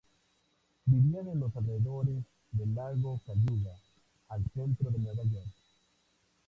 Vivían en los alrededores del lago Cayuga, al centro de Nueva York.